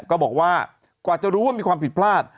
ก็บอกว่ากว่าจะรู้ว่ามีความผิดพลาด